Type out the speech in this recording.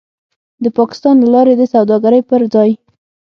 د پاکستان له لارې د سوداګرۍ پر ځای